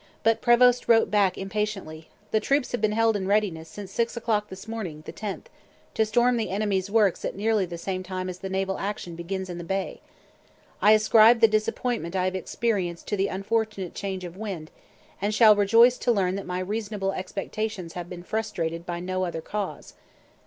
But Prevost wrote back impatiently: 'The troops have been held in readiness, since six o'clock this morning [the 10th], to storm the enemy's works at nearly the same time as the naval action begins in the bay. I ascribe the disappointment I have experienced to the unfortunate change of wind, and shall rejoice to learn that my reasonable expectations have been frustrated by no other cause.'